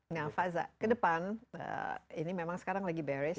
nah faza ke depan ini memang sekarang lagi beres